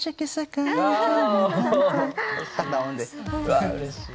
わあうれしい。